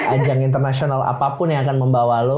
ajang internasional apapun yang akan membawa lo